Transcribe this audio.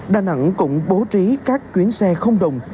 đà nẵng cũng bố trí các chuyến xe không đồng